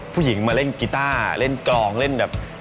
ผู้หญิงมาเล่นกิตาร์เล่นกรองเล่นอย่างแบบ